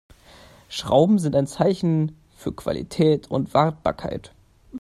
Schrauben sind ein Zeichen für Qualität und Wartbarkeit.